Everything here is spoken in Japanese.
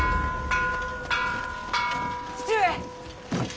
父上。